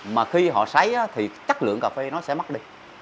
mà khi họ sáy á thì chất lượng cà phê nó sẽ mất đi